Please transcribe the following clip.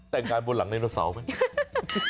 แต่งงานบนหลังไดโนเสาร์ไหม